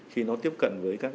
khi nó tiếp cận với các cái